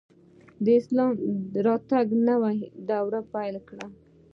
د اسلام راتګ نوی دور پیل کړ